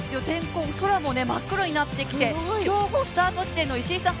空も真っ黒になってきて競歩スタート地点の石井さん